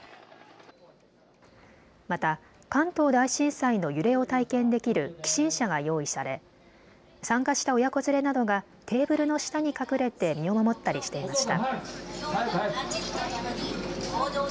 また関東大震災の揺れを体験できる起震車が用意され参加した親子連れなどがテーブルの下に隠れて身を守ったりしていました。